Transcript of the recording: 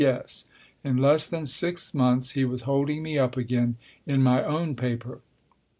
(Yes ; in less than six months he was holding me up, again, in my own paper.